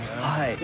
はい。